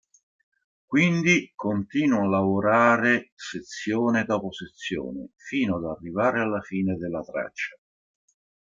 Quindi, continuo a lavorare sezione dopo sezione, fino ad arrivare alla fine della traccia.